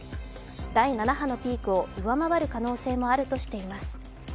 第７波のピークを上回る可能性もあるとしています。